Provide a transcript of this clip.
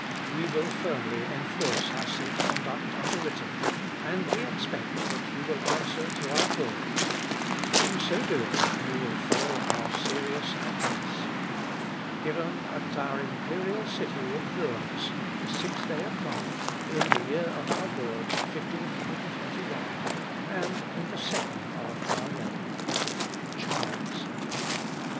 We will firmly enforce our safe conduct under written, and we expect that you will answer to our call. In so doing you will follow our serious advice. "Given at our imperial city of Worms, the sixth day of March, in the year of our Lord, 1521, and in the second of our reign. "CHARLES.